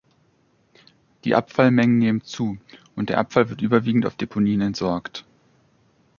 Die Abfallmengen nehmen zu, und der Abfall wird überwiegend auf Deponien entsorgt.